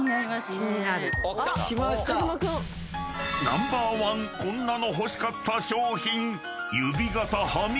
［ナンバーワンこんなの欲しかった商品］